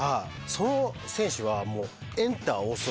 その選手はもう。